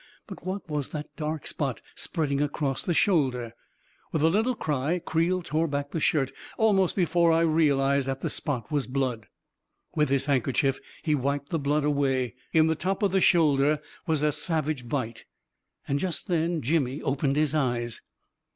But what was that dark spot, spreading across the shoulder ? With a little cry, Creel tore back the shirt, almost before I realized that the spot was blood. With his handkerchief, he wiped the blood away. In the top of the shoulder was a savage bite ... And just then Jimmy opened his eyes.